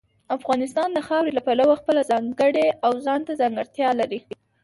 افغانستان د خاورې له پلوه خپله ځانګړې او ځانته ځانګړتیا لري.